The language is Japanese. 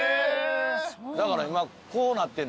だから今こうなってんのは。